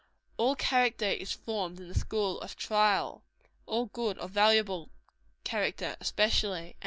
All character is formed in the school of trial; all good or valuable character, especially.